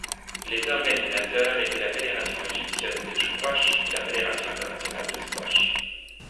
Les organisateurs étaient la Fédération égyptienne de squash et la Fédération internationale de squash.